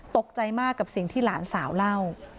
ตกใจมากกับสิ่งที่หลานสาวเล่า